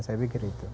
saya pikir itu